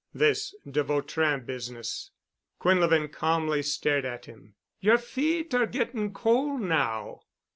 "This de Vautrin business." Quinlevin calmly stared at him. "Yer feet aren't getting cold now?"